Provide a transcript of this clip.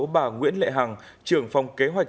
bà nguyễn lệ hằng trưởng phòng kế hoạch